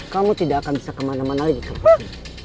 kamu tidak akan bisa kemana mana lagi kembali